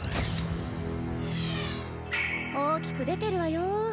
大きく出てるわよ。